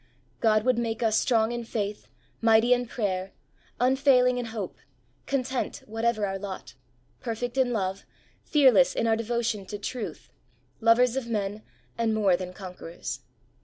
" God would make us strong in faith, mighty in prayer, unfailing in hope, content whatever our lot, perfect in love, fearless in our devotion to truth, lovers of men and more than conquerors.